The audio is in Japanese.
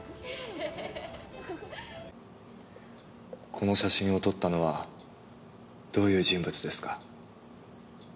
この写真を撮ったのはどういう人物ですか？